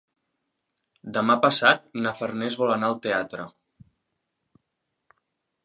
Demà passat na Farners vol anar al teatre.